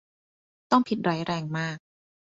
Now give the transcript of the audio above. ต้องผิดร้ายแรงมาก